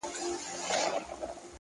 • څو پړسېدلي د پردیو په کولمو ټپوسان,